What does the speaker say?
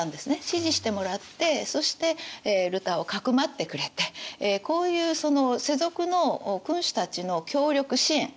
支持してもらってそしてルターをかくまってくれてこういうその世俗の君主たちの協力支援